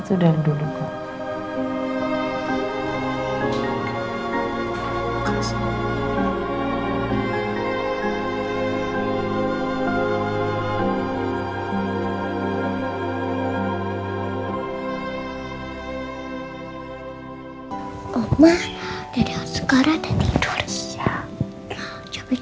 untuk masalah itu udah